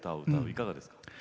いかがですか？